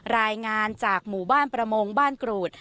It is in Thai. รายงานจากหมู่บ้านประมงบ้านกรูด